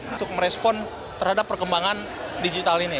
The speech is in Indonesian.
untuk merespon terhadap perkembangan digital ini